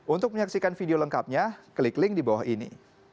untuk menyaksikan video lengkapnya klik link di bawah ini